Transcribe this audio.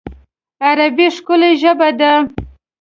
عربي ښکلی ژبه ده